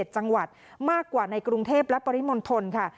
๗จังหวัดมากกว่าในกรุงเทพและปริมณฑลค่ะ